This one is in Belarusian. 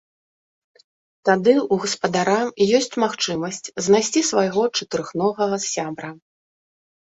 Тады ў гаспадара ёсць магчымасць знайсці свайго чатырохногага сябра.